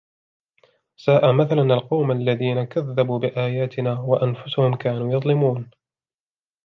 ساء مثلا القوم الذين كذبوا بآياتنا وأنفسهم كانوا يظلمون